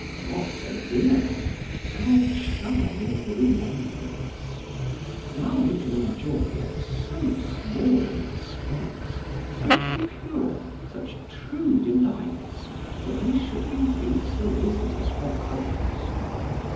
What a dinner! how charming the remembrance! While we can enjoy, at so small an expense, such pure, such true delights, why should we be solicitous for others?